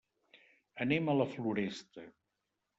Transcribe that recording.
Anem a la Floresta.